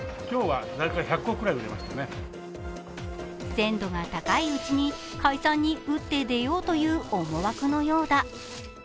鮮度が高いうちに解散に打って出ようという思惑のようだ。